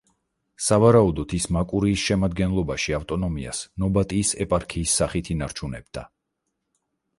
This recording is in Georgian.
სავარაუდოდ ის მაკურიის შემადგენლობაში ავტონომიას ნობატიის ეპარქიის სახით ინარჩუნებდა.